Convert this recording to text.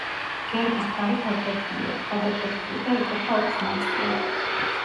გერბის ფარი გაკვეთილია, გადაკვეთილი და იყოფა ოთხ ნაწილად.